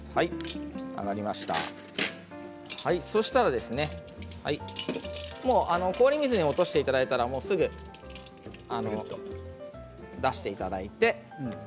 そうしたら氷水に落としていただいたらすぐ出していただいて。